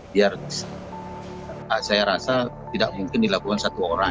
biar saya rasa tidak mungkin dilakukan satu orang